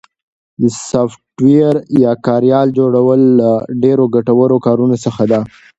د سافټویر یا کاریال جوړل یو له ډېرو ګټورو کارونو څخه ده